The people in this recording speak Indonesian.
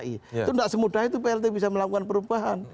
itu tidak semudah itu plt bisa melakukan perubahan